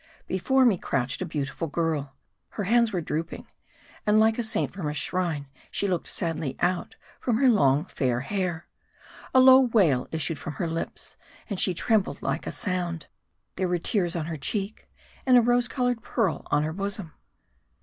Before me crouched a beautiful girl. Her hands were drooping. And, like a saint from a shrine, she looked sadly out from her long, fair hair. A low wail issued from her lips, and she trembled like a sound. There were tears on her cheek, and a rose colored pearl on her bosom.